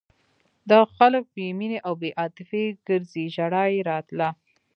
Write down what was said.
دا خلک بې مینې او بې عاطفې ګرځي ژړا یې راتله.